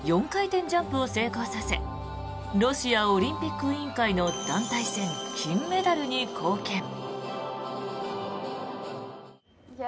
４回転ジャンプを成功させロシアオリンピック委員会の団体戦金メダルに貢献。